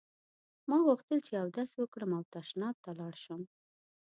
ما غوښتل چې اودس وکړم او تشناب ته لاړ شم.